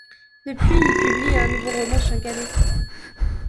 Depuis, il publie un nouveau roman chaque année.